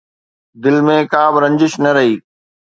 دل ۾ ڪا به رنجش نه رهي